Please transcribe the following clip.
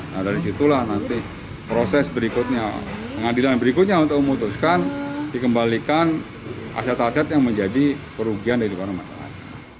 nah dari situlah nanti proses berikutnya pengadilan yang berikutnya untuk memutuskan dikembalikan aset aset yang menjadi kerugian daripada masyarakat